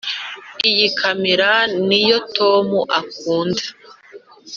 iyi kamera niyo tom akunda.